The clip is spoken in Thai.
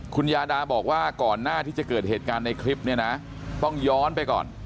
คุณยาดาบอกว่าก่อนหน้าที่จะเกิดเหตุการณ์ในคลิปเนี่ยนะต้องย้อนไปก่อน